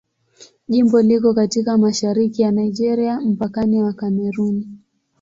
Jimbo liko katika mashariki ya Nigeria, mpakani wa Kamerun.